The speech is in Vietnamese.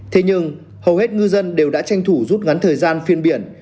thế nhưng hầu hết ngư dân đều đã tranh thủ rút ngắn thời gian phiên biển